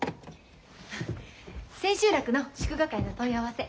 千秋楽の祝賀会の問い合わせ。